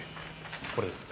これです。